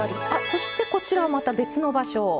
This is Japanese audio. そしてこちらはまた別の場所。